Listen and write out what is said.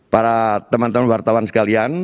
para teman teman wartawan sekalian